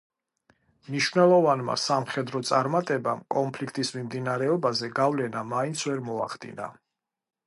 მნიშვნელოვანმა სამხედრო წარმატებამ კონფლიქტის მიმდინარეობაზე გავლენა მაინც ვერ მოახდინა.